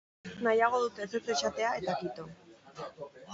Nahiago dut ezetz esatea, eta kito.